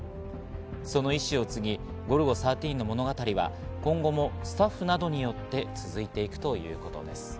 その遺志を継ぎ、『ゴルゴ１３』の物語は今後もスタッフなどによって続いていくということです。